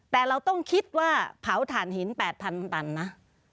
แต่เราต้องคิดว่าเผาถ่านหิน๘๐๐๐ตันนะ